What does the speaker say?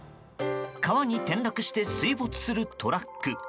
川に転落して水没するトラック。